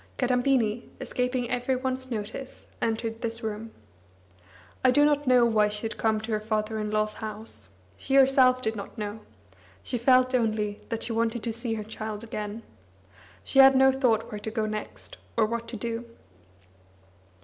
Kadambini, escaping every one's notice, entered this room. I do not know why she had come to her father in law's house; she herself did not know; she felt only that she wanted to see her child again. She had no thought where to go next, or what to do.